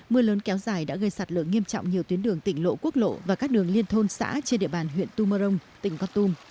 mưa lớn kéo dài đã gây sạt lở nghiêm trọng nhiều tuyến đường tỉnh lộ quốc lộ và các đường liên thôn xã trên địa bàn huyện tum mơ rông tỉnh con tum